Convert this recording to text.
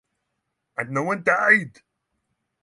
And no one died.